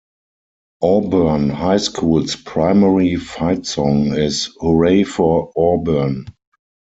Auburn High School's primary fight song is "Hooray for Auburn!".